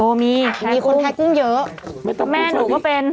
โอ้มีมีคนแพ้กุ้งเยอะแม่หนูก็เป็น